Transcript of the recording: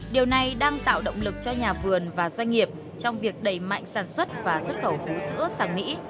điều này đang tạo động lực cho nhà vườn và doanh nghiệp trong việc đẩy mạnh sản xuất và xuất khẩu phú sữa sang mỹ